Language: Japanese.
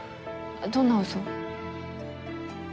どんな嘘？